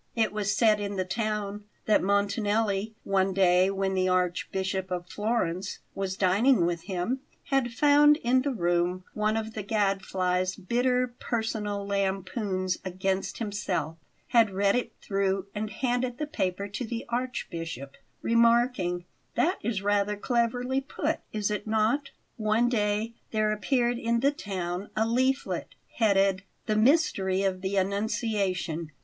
It was said in the town that Montanelli, one day when the Archbishop of Florence was dining with him, had found in the room one of the Gadfly's bitter personal lampoons against himself, had read it through and handed the paper to the Archbishop, remarking: "That is rather cleverly put, is it not?" One day there appeared in the town a leaflet, headed: "The Mystery of the Annunciation."